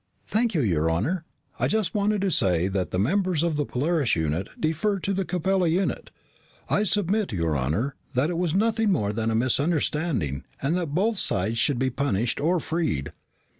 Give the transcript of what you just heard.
"Thank you, your honor. I just wanted to say that the members of the Polaris unit defer to the Capella unit. I submit, your honor, that it was nothing more than a misunderstanding and that both sides should be punished or freed."